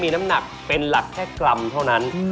มีน้ำหนักเป็นหลักแค่กรัมเท่านั้น